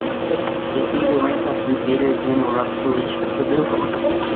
He attained the rank of brigadier general of militia after the war.